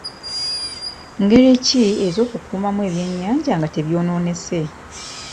Ngeri ki ez'okukuumamu ebyennyanja nga tebyonoonese?